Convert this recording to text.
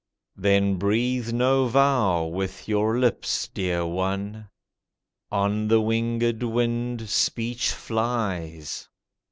Then breathe no vow with your lips, dear one; On the winged wind speech flies.